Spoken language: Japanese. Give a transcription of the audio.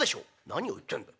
「何を言ってんだ。